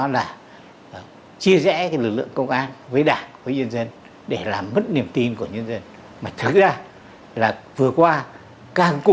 đã và đang được chỉ đạo kết liệt bài bản ngày càng đi vào chiều sâu tạo